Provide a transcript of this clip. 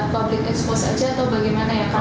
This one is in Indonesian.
public expose saja atau bagaimana ya